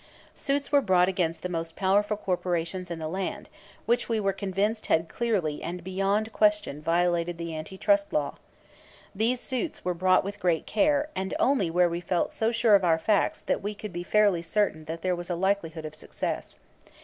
Suits were brought against the most powerful corporations in the land, which we were convinced had clearly and beyond question violated the Anti Trust Law. These suits were brought with great care, and only where we felt so sure of our facts that we could be fairly certain that there was a likelihood of success.